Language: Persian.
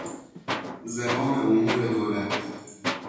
زمام امور دولت